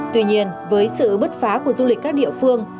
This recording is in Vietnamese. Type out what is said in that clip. tuy nhiên với sự bứt phá của du lịch các địa phương